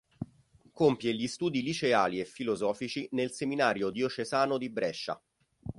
Compie gli studi liceali e filosofici nel seminario diocesano di Brescia.